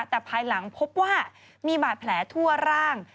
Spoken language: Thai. แต่ภายหลังพบว่ามีบาดแผลทั่วร่าง